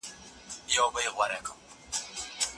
د رواجونو ځواک په سياست کي د پامه نسي غورځېدای.